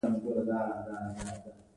د توکو غوښتونکي د توکو له حجم کم دي